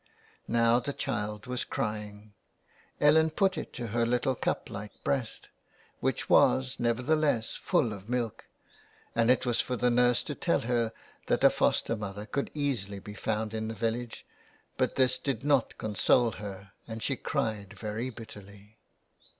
Now the child was crying ; Ellen put it to her little cup like breast, which was, nevertheless, full of milk, and it was for the nurse to tell her that a foster mother could easily be found in the village, but this did not console her and she cried very bitterly.